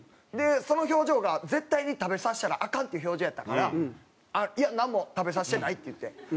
でその表情が絶対に食べさせたらアカンっていう表情やったから「いやなんも食べさせてない」って言って。